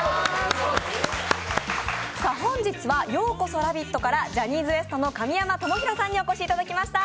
本日は「ようこそラヴィット！」からジャニーズＷＥＳＴの神山智洋さんにお越しいただきました。